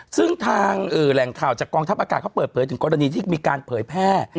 ซึ่งทางแหล่งข่าวจากกองทัพอากาศเขาเปิดเผยถึงกรณีที่มีการเผยแพร่